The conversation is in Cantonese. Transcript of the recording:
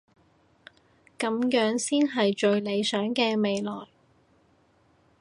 噉樣先係最理想嘅未來